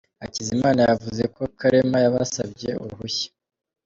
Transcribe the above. Hakizimana yavuze ko Karema yabasabye uruhushya